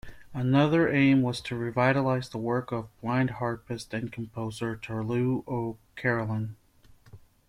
Another aim was to revitalize the work of blind harpist and composer Turlough O'Carolan.